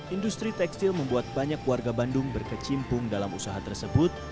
industri tekstil membuat banyak warga bandung berkecimpung dalam usaha tersebut